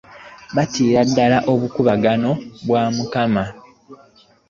Batiira ddala obukubaganobw'omumaka .